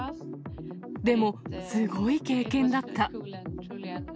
でも、すごい経験だった。